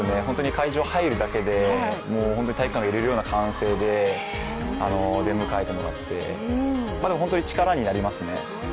会場入るだけで体育館が揺れるような歓声で出迎えてもらって、本当に力になりますね。